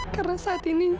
karena saat ini